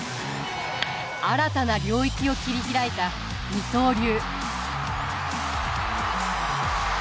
新たな領域を切り開いた二刀流。